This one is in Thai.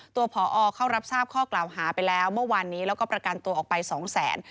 ผอเข้ารับทราบข้อกล่าวหาไปแล้วเมื่อวานนี้แล้วก็ประกันตัวออกไปสองแสน